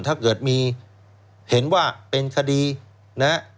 ถ้าเกิดมีเห็นว่าเป็นคดีนะฮะ